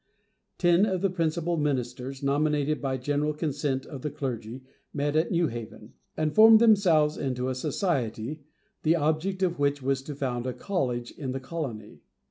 Ten of the principal ministers, nominated by general consent of the clergy, met at New Haven, and formed themselves into a society, the object of which was to found a college in the colony.